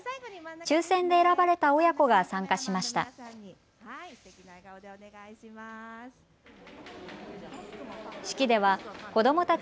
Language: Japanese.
抽せんで選ばれた親子が参加しました。